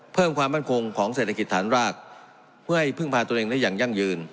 เพิ่มความมั่นคงของเศรษฐกิจฐานรากเพื่อให้พึ่งพาตัวเองได้อย่างยั่งยืน